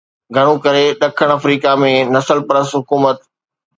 گهڻو ڪري ڏکڻ آفريڪا ۾ نسل پرست حڪومت